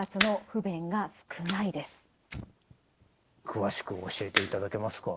詳しく教えていただけますか？